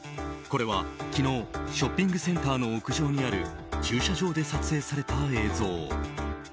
これは昨日ショッピングセンターの屋上にある駐車場で撮影された映像。